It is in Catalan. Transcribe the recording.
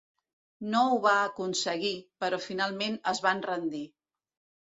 No ho va aconseguir, però finalment es van rendir.